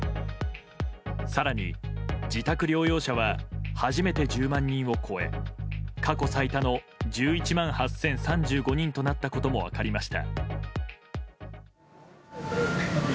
更に、自宅療養者は初めて１０万人を超え過去最多の１１万８０３５人となったことも分かりました。